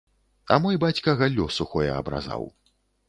А мой бацька галлё сухое абразаў.